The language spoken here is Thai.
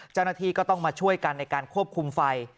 เจ้าหน้าที่ก็ต้องมาช่วยกันในการควบคุมไฟ